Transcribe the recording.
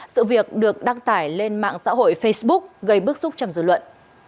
sự việc được đăng tải lên mạng xã hội facebook gây bức xúc trong dư luận